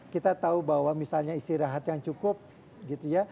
kita tahu bahwa misalnya istirahat yang cukup gitu ya